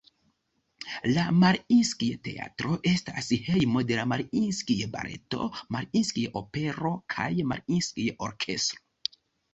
La Mariinskij-Teatro estas hejmo de la Mariinskij-Baleto, Mariinskij-Opero kaj Mariinskij-Orkestro.